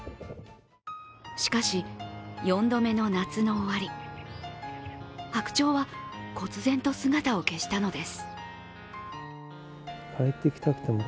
しかし、４度目の夏の終わり、白鳥はこつ然と姿を消したのです。